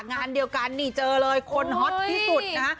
งานเดียวกันนี่เจอเลยคนฮอตที่สุดนะฮะ